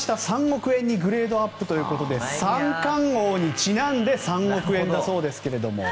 ３億円のグレードアップということで三冠王にちなんで３億円だそうですけれども。